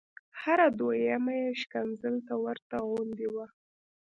هره دویمه یې ښکنځل ته ورته غوندې وه.